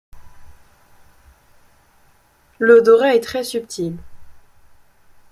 L'odorat est très subtil.